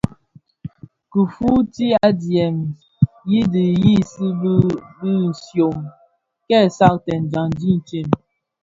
Kifuuti adyèm i dhidigsi di bishyom (dum) kè satèè djandi itsem.